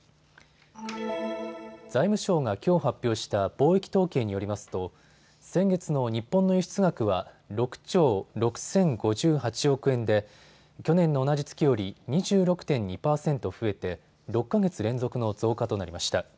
財務省がきょう発表した貿易統計によりますと先月の日本の輸出額は６兆６０５８億円で去年の同じ月より２６．２％増えて６か月連続の増加となりました。